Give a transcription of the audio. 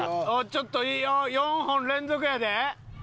ちょっといいよ４本連続やで。